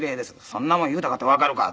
「そんなもん言うたかてわかるか」。